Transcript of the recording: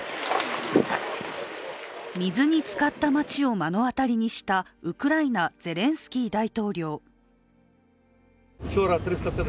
水につかった町を目の当たりにしたウクライナ、ゼレンスキー大統領。